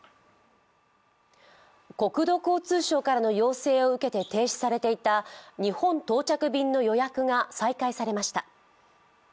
国土交通省からの要請を受けて停止されていた日本到着便の予約が再開されました。